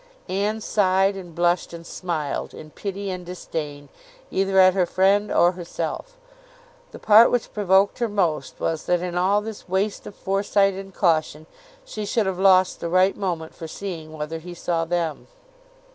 Anne sighed and blushed and smiled, in pity and disdain, either at her friend or herself. The part which provoked her most, was that in all this waste of foresight and caution, she should have lost the right moment for seeing whether he saw them.